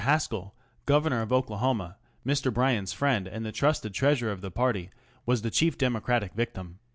Haskell, Governor of Oklahoma, Mr. Bryan's friend and the trusted treasurer of the party, was the chief Demo cratic victim.